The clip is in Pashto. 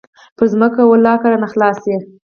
پر ځمکه ولله که رانه خلاص سي.